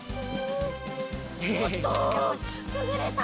おっとくぐれた！